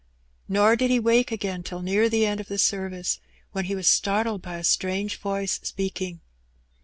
Nor did he wake again till near the end of the service, when he was startled by a strange voice speaking.